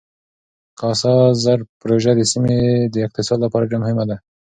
کاسا زر پروژه د سیمې د اقتصاد لپاره ډېره مهمه ده.